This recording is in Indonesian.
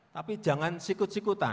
tapi jangan sikut sikutan